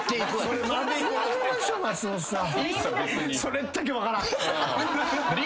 それやめましょう松本さん。